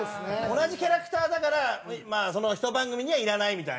同じキャラクターだからまあ１番組にはいらないみたいな。